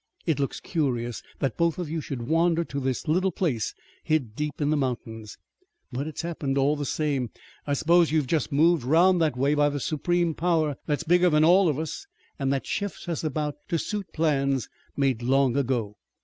It looks curious that both of you should wander to this little place hid deep in the mountains. But it's happened all the same. I s'pose you've just been moved 'round that way by the Supreme Power that's bigger than all of us, an' that shifts us about to suit plans made long ago.